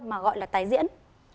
mà gọi là tái diễn